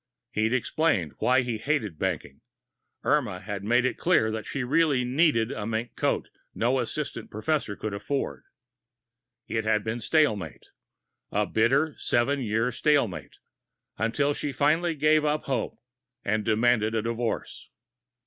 He'd explained why he hated banking; Irma had made it clear that she really needed the mink coat no assistant professor could afford. It had been stalemate a bitter, seven year stalemate, until she finally gave up hope and demanded a divorce.